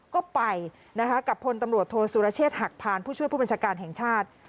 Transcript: ก็ไปนะคะกับพลตำรวจโทษสุรเชษฐหักพานผู้ช่วยผู้บัญชาการแห่งชาติ